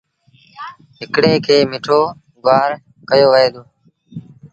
هڪڙي کي مٺو گُوآر ڪهيو وهي دو۔